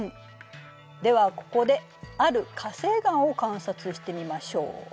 ではここである火成岩を観察してみましょう。